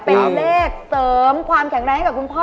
เป็นเลขเสริมความแข็งแรงให้กับคุณพ่อ